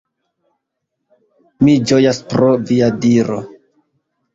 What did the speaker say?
Mi ĝojas pro via diro.